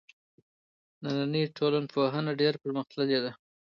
نننۍ ټولنپوهنه ډېره پرمختللې ده.